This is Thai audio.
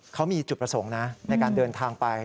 เขามีจุดประสงค์นะในการเดินทางไป